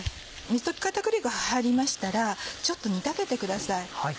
水溶き片栗粉が入りましたらちょっと煮立ててください。